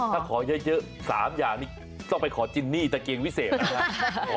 ถ้าขอเยอะ๓อย่างนี้ต้องไปขอจินนี่ตะเกียงวิเศษนะครับ